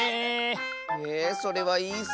えそれはいいッス。